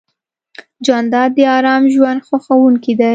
جانداد د ارام ژوند خوښوونکی دی.